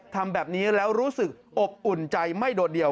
ทำแบบนี้แล้วรู้สึกอบอุ่นใจไม่โดดเดี่ยว